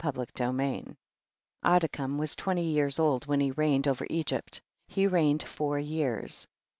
Adikam was twenty years old when he reigned over Egypt, he reigned four years.